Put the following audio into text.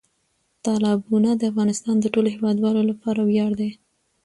تالابونه د افغانستان د ټولو هیوادوالو لپاره ویاړ دی.